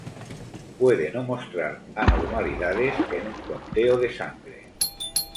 Puede no mostrar anormalidades en un conteo de sangre.